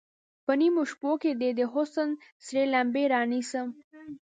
په نیمو شپو کې دې، د حسن سرې لمبې رانیسم